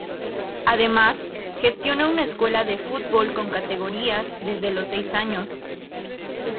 Además, gestiona una escuela de fútbol con categorías desde los seis años.